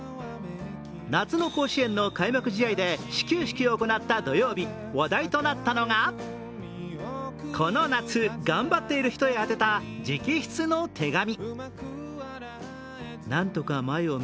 夏の甲子園の開幕試合で始球式を行った土曜日、話題となったのがこの夏頑張っている人へ宛てた直筆の手紙。